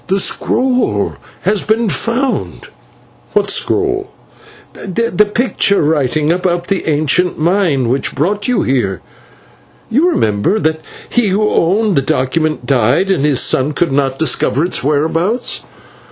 The scroll has been found." "What scroll?" "That picture writing about the ancient mine which brought you here. You remember that he who owned the document died, and his son could not discover its whereabouts.